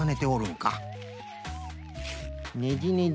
ねじねじ。